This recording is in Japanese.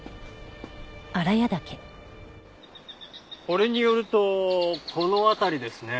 これによるとこの辺りですね。